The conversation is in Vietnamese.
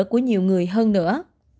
của nhiều người hơn nữa